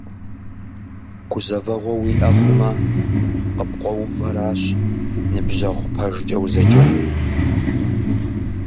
Гузэвэгъуэ уиӀэ хъумэ, къыпкъуэувэращ ныбжьэгъу пэжкӀэ узэджэнур.